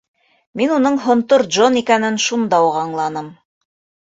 Мин уның Һонтор Джон икәнен шунда уҡ аңланым.